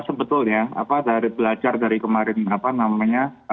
sebetulnya apa dari belajar dari kemarin apa namanya